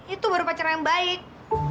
itu baru pacaran yang baik